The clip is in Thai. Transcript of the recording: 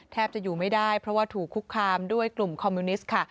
จะอยู่ไม่ได้เพราะว่าถูกคุกคามด้วยกลุ่มคอมมิวนิสต์ค่ะ